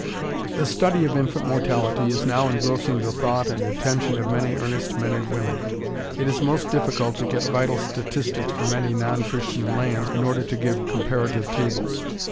] The study of Infant Mortality is now engrossing the thought and attention of many earnest men and women. It is most difficult to get vital statistics from any non Christian lands in order to give comparative tables.